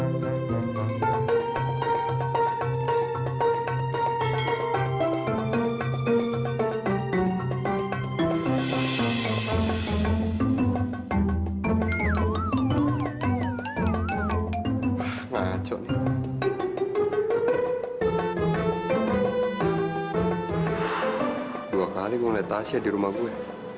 ngaco nih dua kali mulai tasya di rumah gue